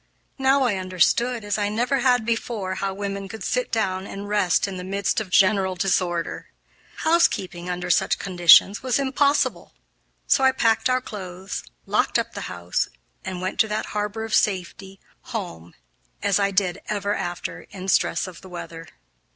Now I understood, as I never had before, how women could sit down and rest in the midst of general disorder. Housekeeping, under such conditions, was impossible, so I packed our clothes, locked up the house, and went to that harbor of safety, home, as I did ever after in stress of weather.